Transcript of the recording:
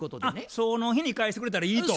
その日に返してくれたらいいと。